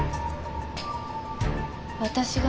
私が？